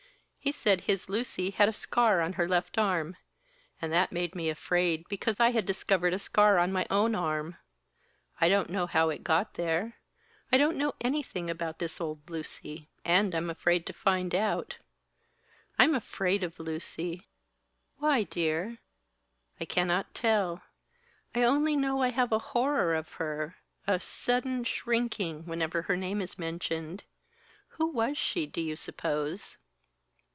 He said his Lucy had a scar on her left arm, and that made me afraid, because I had discovered a scar on my own arm. I don't know how it got there. I don't know anything about this old Lucy. And I'm afraid to find out. I'm afraid of Lucy." "Why, dear?" "I cannot tell. I only know I have a horror of her, a sudden shrinking whenever her name is mentioned. Who was she, do you suppose?"